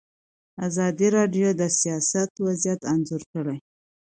ازادي راډیو د سیاست وضعیت انځور کړی.